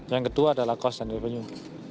yang kedua adalah cost dan revenue